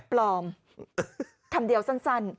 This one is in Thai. ปลอมคำเดียวสั้น